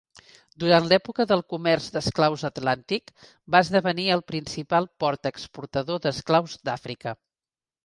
Durant l'època del Comerç d'esclaus atlàntic va esdevenir el principal port exportador d'esclaus d'Àfrica.